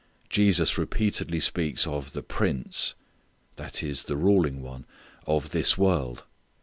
Jesus repeatedly speaks of "the prince" that is the ruling one "of this world."